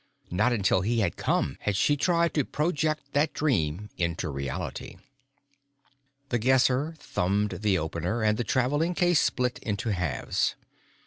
Not until he had come had she tried to project that dream into reality. The Guesser thumbed the opener, and the traveling case split into halves.